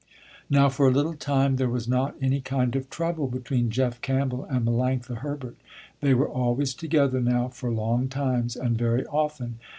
Now for a little time there was not any kind of trouble between Jeff Campbell and Melanctha Herbert. They were always together now for long times, and very often.